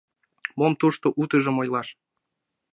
Мом тушто утыжым ойлаш...